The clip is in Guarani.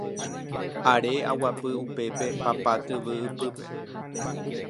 Are aguapy upépe papa tyvy ypýpe